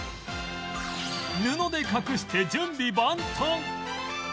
布で隠して準備万端！